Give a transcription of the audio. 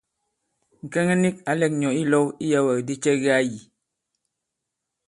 Ŋ̀kɛŋɛ nik ǎ lɛ̄k ŋ̀nyɔ̌ ilɔ̄w iyɛ̄wɛ̂kdi cɛ ki ā yī.